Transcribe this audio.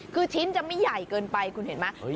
คือชิ้นจะไม่ใหญ่เกินไปคุณเห็นไหม